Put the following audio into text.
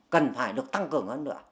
cần phải được tăng cường hơn nữa